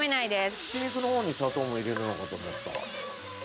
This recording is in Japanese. ひき肉の方に砂糖も入れるのかと思った。